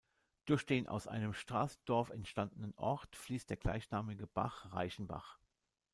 Durch den aus einem Straßendorf entstandenen Ort fließt der gleichnamige Bach Reichenbach.